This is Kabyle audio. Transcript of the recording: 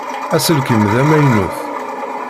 Aselkim d amaynut.